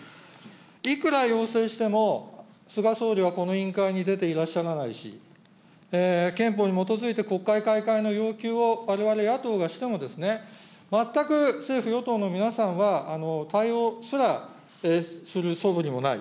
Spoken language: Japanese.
いくら要請しても、菅総理はこの委員会に出ていらっしゃらないし、憲法に基づいて、国会開会の要求をわれわれ野党がしても、全く政府・与党の皆さんは、対応すらするそぶりもない。